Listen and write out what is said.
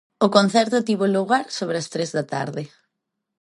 O concerto tivo lugar sobre as tres da tarde.